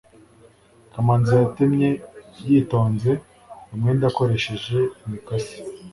kamanzi yatemye yitonze umwenda akoresheje imikasi